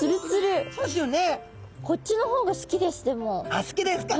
あっ好きですか。